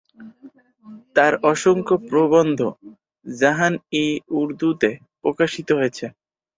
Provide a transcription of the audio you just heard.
তার অসংখ্য প্রবন্ধ "জাহান-ই-উর্দুতে" প্রকাশিত হয়েছে।